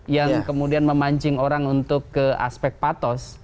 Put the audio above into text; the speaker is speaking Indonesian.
yang kemudian memancing orang untuk ke aspek patos